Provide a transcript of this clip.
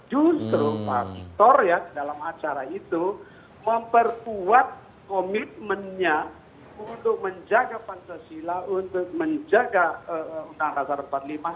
justru pak victor ya dalam acara itu memperkuat komitmennya untuk menjaga pancasila untuk menjaga undang dasar empat puluh lima